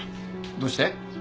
どうして？